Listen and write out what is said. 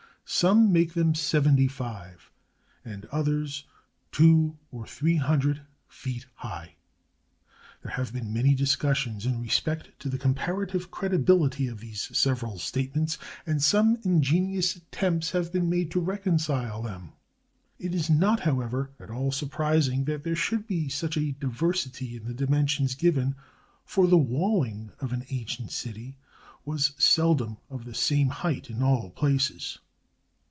Some make them seventy five, and others two or three hun dred feet high. There have been many discussions in respect to the comparative credibihty of these several statements, and some ingenious attempts have been made to reconcile them. It is not, however, at all sur prising that there should be such a diversity in the di mensions given, for the walling of an ancient city was seldom of the same height in all places.